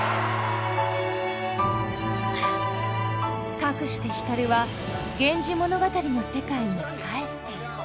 かくして光は「源氏物語」の世界に帰っていった。